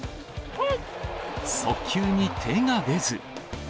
速球に手が出ず。